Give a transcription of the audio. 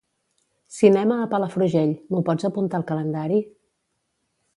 "Cinema a Palafrugell" m'ho pots apuntar al calendari?